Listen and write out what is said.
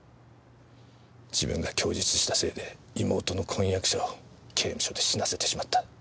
自分が供述したせいで妹の婚約者を刑務所で死なせてしまった。